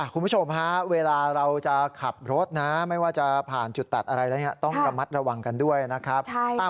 คุณผู้ชมฮะเวลาเราจะขับรถนะไม่ว่าจะผ่านจุดตัดอะไรแล้วต้องระมัดระวังกันด้วยนะครับ